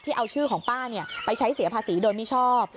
เอาชื่อของป้าไปใช้เสียภาษีโดยมิชอบ